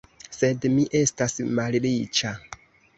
Sed mi estas malriĉa.